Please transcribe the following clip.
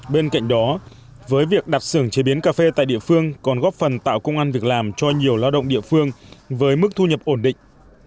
bên cạnh đó với việc đặt xưởng chế biến cà phê tại địa phương còn góp phần tạo công an việc làm cho nhiều lao động địa phương với mức thu nhập ổn định